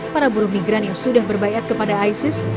para buru migran yang sudah berbaikat kepada isis